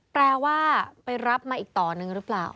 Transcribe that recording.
แปลว่าไปรับมาอีกต่อหนึ่งหรือเปล่า